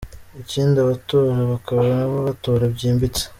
Ikindi abatora bakaba nabo batora byimbitse.